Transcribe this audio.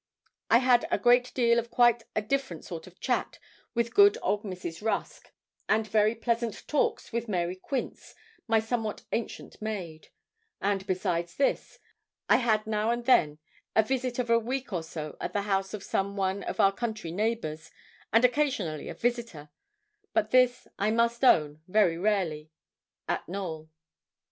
I had a great deal of quite a different sort of chat with good old Mrs. Rusk, and very pleasant talks with Mary Quince, my somewhat ancient maid; and besides all this, I had now and then a visit of a week or so at the house of some one of our country neighbours, and occasionally a visitor but this, I must own, very rarely at Knowl.